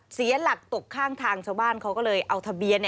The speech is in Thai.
เสียหลักตกข้างทางชาวบ้านเขาก็เลยเอาทะเบียน